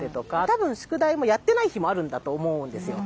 多分宿題もやってない日もあるんだと思うんですよ。